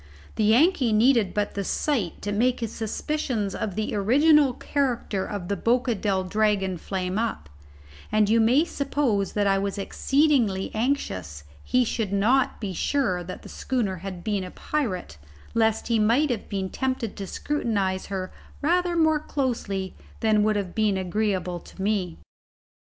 The Yankee needed but the sight to make his suspicions of the original character of the Boca del Dragon flame up; and you may suppose that I was exceedingly anxious he should not be sure that the schooner had been a pirate, lest he might have been tempted to scrutinize her rather more closely than would have been agreeable to me.